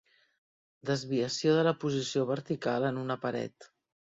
Desviació de la posició vertical en una paret.